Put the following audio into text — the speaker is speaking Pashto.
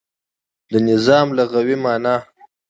د نظام لغوی معنا